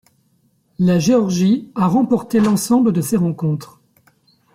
La Géorgie a remporté l'ensemble de ces rencontres.